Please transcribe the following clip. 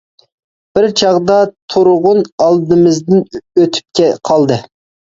بىر چاغدا تۇرغۇن ئالدىمىزدىن ئۆتۈپ قالدى.